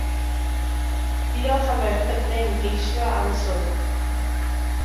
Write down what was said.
Diolch am roi'r cyfle imi geisio am y swydd